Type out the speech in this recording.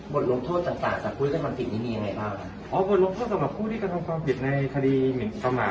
บทลงโทษลงโทษต่างจากผู้ที่กำลังคาปิดนี่มียังไงบ้าง